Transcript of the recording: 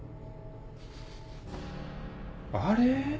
あれ？